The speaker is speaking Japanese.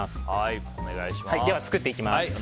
では作っていきます。